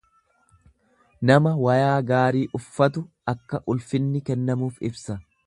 Nama wayaa gaarii uffatu akka ulfinni kennamuuf ibsa.